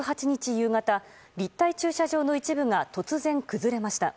夕方立体駐車場の一部が突然、崩れました。